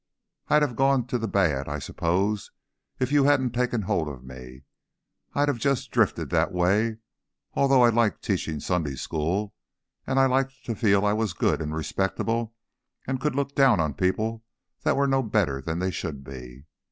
I'd have gone to the bad, I suppose, if you hadn't taken hold of me; I'd have just drifted that way, although I liked teaching Sunday school, and I liked to feel I was good and respectable and could look down on people that were no better than they should be.